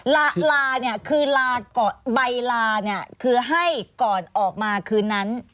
ลาลาเนี่ยคือลาก่อนใบลาเนี่ยคือให้ก่อนออกมาคืนนั้น